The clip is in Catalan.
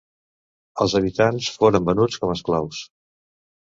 Els habitants foren venuts com esclaus.